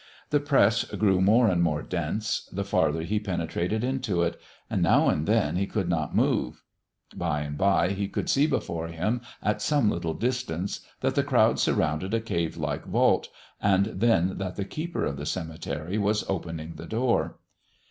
The press grew more and more dense the farther he penetrated into it, and now and then he could not move. By and by he could see before him at some little distance that the crowd surrounded a cavelike vault, and then that the keeper of the cemetery was opening the door.